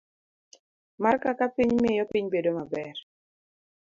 A. mar Kaka Piny Miyo Piny Bedo Maber